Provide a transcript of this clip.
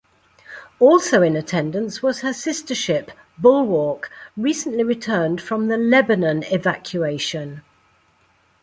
Also in attendance was her sister ship, "Bulwark", recently returned from the Lebanon evacuation.